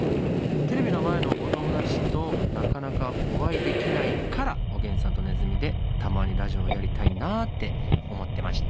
テレビの前のお友達となかなかお会いできないからおげんさんとねずみでたまにラジオやりたいなって思ってました。